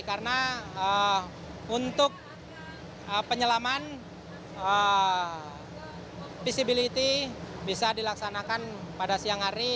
karena untuk penyelaman visibility bisa dilaksanakan pada siang hari